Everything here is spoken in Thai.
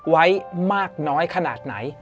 ไว้มากน้อยขนาดไหน